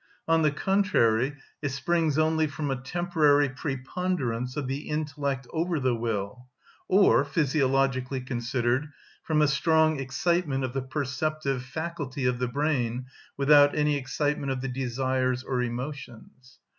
On the contrary, it springs only from a temporary preponderance of the intellect over the will, or, physiologically considered, from a strong excitement of the perceptive faculty of the brain, without any excitement of the desires or emotions.